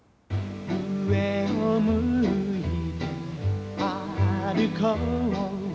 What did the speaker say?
「上を向いて歩こう」